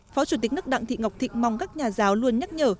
phó chủ tịch nước đặng thị ngọc thịnh mong các nhà giáo luôn nhắc nhở